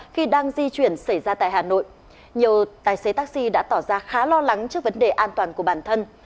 khi đang di chuyển xảy ra tại hà nội nhiều tài xế taxi đã tỏ ra khá lo lắng trước vấn đề an toàn của bản thân